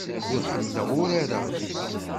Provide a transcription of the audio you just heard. Ur ḥemmleɣ urar-a.